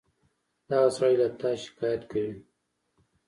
دغه سړى له تا شکايت کوي.